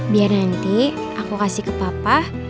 biar nanti aku kasih ke papa